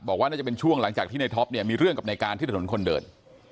บอกว่าน่าจะเป็นช่วงหลังจากที่ในท็อปเนี่ยมีเรื่องกับในการที่ถนนคนเดิน